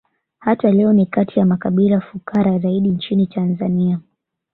Hata leo ni kati ya makabila fukara zaidi nchini Tanzania